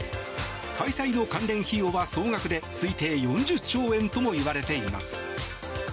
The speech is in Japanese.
開催の関連費用は総額で推定４０兆円ともいわれています。